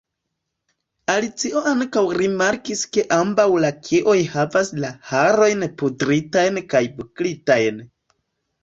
Alicio ankaŭ rimarkis ke ambaŭ lakeoj havas la harojn pudritajn kaj buklitajn.